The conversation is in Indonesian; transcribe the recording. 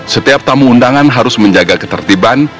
setiap tamu undangan harus menjaga ketertiban